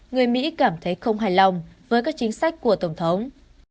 người mỹ cảm thấy không hài lòng với các chính sách của tổng thống